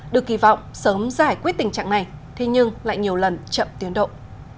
được kỳ vọng sớm giải quyết tình trạng này thế nhưng lại nhiều lần chậm tiến độ